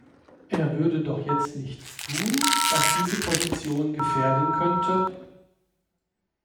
Er würde doch jetzt nichts tun, was diese Position gefährden könnte.